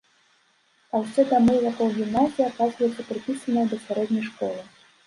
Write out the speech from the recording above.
А ўсе дамы вакол гімназіі аказваюцца прыпісаныя да сярэдняй школы.